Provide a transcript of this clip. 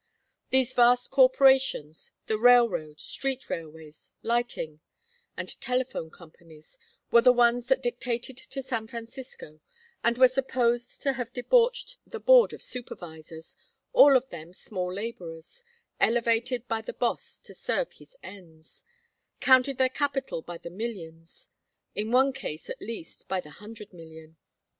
These vast corporations the railroad, street railways, lighting, and telephone companies, were the ones that dictated to San Francisco, and were supposed to have debauched the Board of Supervisors, all of them small laborers, elevated by the Boss to serve his ends counted their capital by the millions; in one case, at least, by the hundred million.